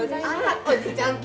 あおじちゃん